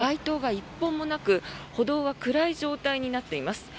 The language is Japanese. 街灯が１本もなく歩道は暗い状態になっています。